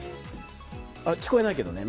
聞こえないけどね